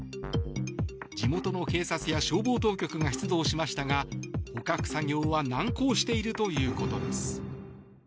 地元の警察や消防当局が出動しましたが捕獲作業は難航しているということです。